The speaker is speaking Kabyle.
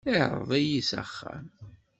Iɛreḍ-iyi s axxam.